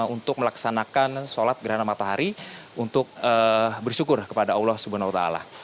untuk melaksanakan sholat gerhana matahari untuk bersyukur kepada allah swt